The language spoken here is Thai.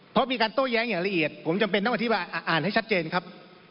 เพราะมีการโต้แย้งอย่างละเอียดผมจำเป็นต้องอธิบายอ่านให้ชัดเจนครับ